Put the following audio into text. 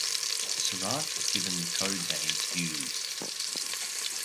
Sarant was given the code name Hughes.